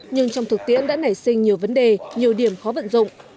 nhưng trong thực tiễn đã nảy sinh nhiều vấn đề nhiều điểm khó vận dụng